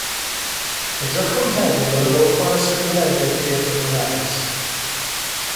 Edrychwn heddiw ar yr ochr ysgrifenedig theatr mewn addysg